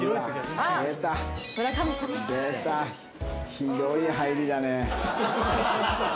ひどい入りだね。